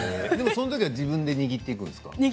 でもそのときは自分で握っていくんですか？